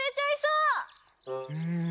うん。